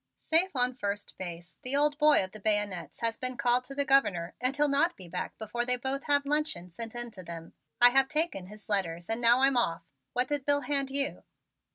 "Safe on first base! The old boy of the bayonets has been called to the Governor and he'll not be back before they both have luncheon sent in to them. I have taken his letters and now I'm off. What did Bill hand you?"